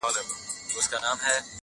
رنګ په وینو د خپل ورور او د تربور دی!